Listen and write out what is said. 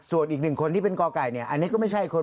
ส่วนอีกหนึ่งคนที่เป็นกอไก่เนี่ยอันนี้ก็ไม่ใช่คน